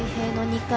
２回